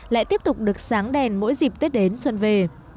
lại tiếp tục được sáng đèn mỗi dịp tết đến xuân về